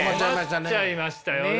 困っちゃいましたよ。